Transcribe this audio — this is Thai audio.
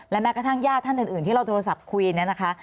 แม้กระทั่งญาติท่านอื่นที่เราโทรศัพท์คุยเนี่ยนะคะ